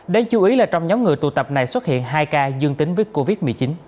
đáng chú ý là trong nhóm người tụ tập này xuất hiện hai ca dương tính với covid một mươi chín